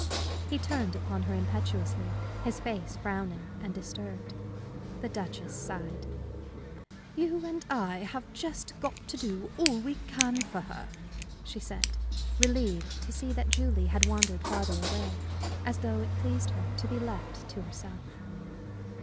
He turned upon her impetuously, his face frowning and disturbed. The Duchess sighed. "You and I have just got to do all we can for her," she said, relieved to see that Julie had wandered farther away, as though it pleased her to be left to herself.